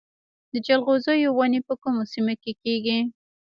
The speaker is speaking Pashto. د جلغوزیو ونې په کومو سیمو کې کیږي؟